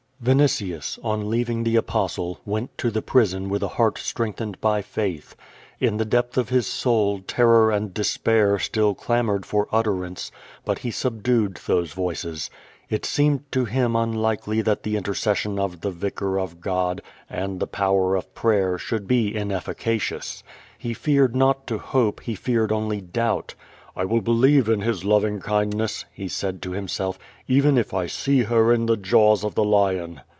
Vinitius, on leaving the Apostle, went to the prison with a heart strengthened by faith. In the depth of his soul, terror and despair still clamored for utterance, l)ut he subdued those voices. It seemed to him unlikely that the intercession of the Vicar of God and the power of prayer should be ineflica cious. He feared not to hope, he feared only doubt. *'I will believe in His loving kindness," he said to himself, "even if I see her in the jaws of the lion."